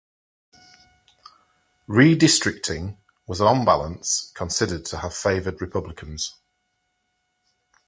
Redistricting was on balance considered to have favored Republicans.